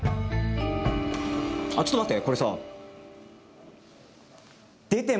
ちょっと待って！